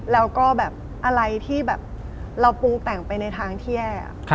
แล้วก็แบบอะไรที่แบบเราปรุงแต่งไปในทางที่แย่